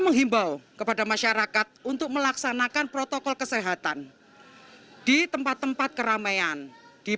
menghimbau kepada masyarakat untuk melaksanakan protokol kesehatan di tempat tempat keramaian di